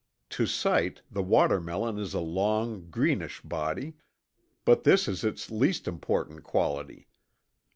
To sight, the watermelon is a long greenish body, but this is its least important quality.